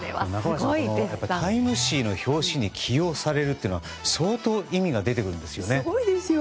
「タイム」誌の表紙に起用されるというのは相当意味が出てくるんですよね。